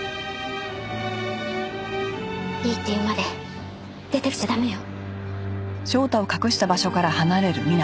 いいって言うまで出てきちゃ駄目よ。